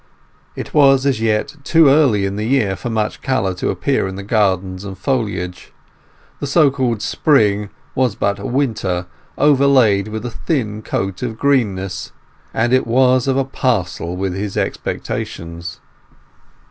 It was as yet too early in the year for much colour to appear in the gardens and foliage; the so called spring was but winter overlaid with a thin coat of greenness, and it was of a parcel with his expectations.